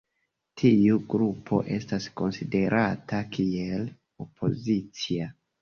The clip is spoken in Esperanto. Tiu grupo estas konsiderata kiel opozicia.